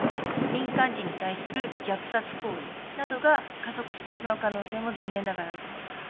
民間人に対する虐殺行為などが加速してしまう可能性も残念ながらあると思います。